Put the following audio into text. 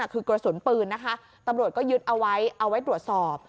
คือกระสุนปืนนะคะตำรวจก็ยึดเอาไว้เอาไว้ตรวจสอบ